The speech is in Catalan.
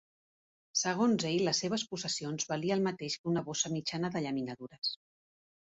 Segons ell, les seves possessions valia el mateix que una bossa mitjana de llaminadures.